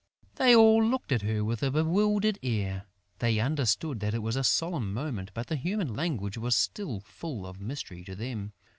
They all looked at her with a bewildered air. They understood that it was a solemn moment, but the human language was still full of mystery to them.